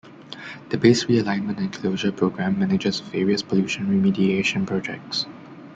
The Base Realignment and Closure program manages various pollution remediation projects.